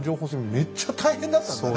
めっちゃ大変だったんだね。